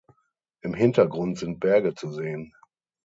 Im Hintergrund sind Berge zu sehen.